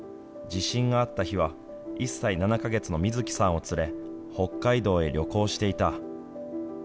地震があった日は、１歳７か月の瑞希さんを連れ、北海道へ旅行していた。